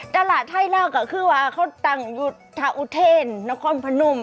ตลาดไทยรักก็คือว่าเขาตั้งอยู่ทาอุเทนนครพนม